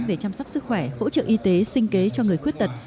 về chăm sóc sức khỏe hỗ trợ y tế sinh kế cho người khuyết tật